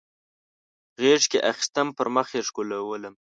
غیږ کې اخیستم پر مخ یې ښکلولم